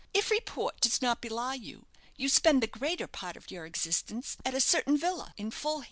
"If report does not belie you, you spend the greater part of your existence at a certain villa at Fulham."